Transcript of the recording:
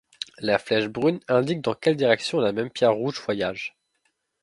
La flèche brune indique dans quelle direction la même pierre rouge voyage.